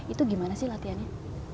itu gimana sih latihannya